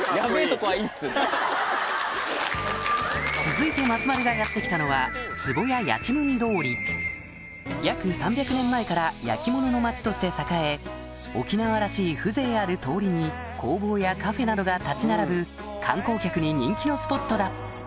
続いて松丸がやってきたのは壺屋やちむん通り沖縄らしい風情ある通りに工房やカフェなどが立ち並ぶ観光客に人気のスポットだ